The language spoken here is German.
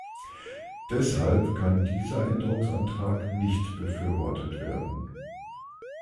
Deshalb kann dieser Änderungsantrag nicht befürwortet werden.